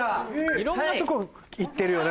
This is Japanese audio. いろんなとこ行ってるよね